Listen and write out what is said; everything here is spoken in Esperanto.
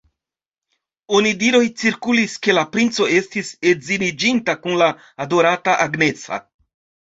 Onidiroj cirkulis ke la princo estis edziniĝinta kun la adorata Agnesa.